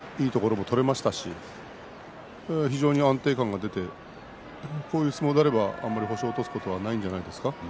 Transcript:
こういう前みつ、いいところも取れましたし非常に安定感が出てこういう相撲であれば星を落とすことはないんじゃないですか。